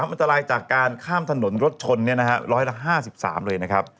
อันตรายจากการข้ามถนนรถชนร้อยละ๕๓เลยนะครับ